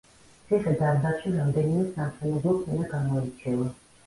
ციხე-დარბაზში რამდენიმე სამშენებლო ფენა გამოირჩევა.